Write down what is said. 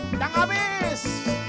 udah nggak habis